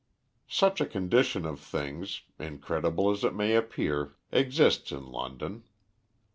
Such a condition of things, incredible as it may appear, exists in London.